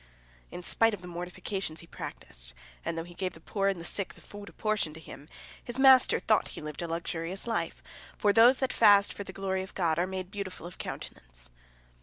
In spite of the mortifications he practiced, and though he gave the poor and the sick the food apportioned to him, his master thought he lived a luxurious life, for those that fast for the glory of God are made beautiful of countenance.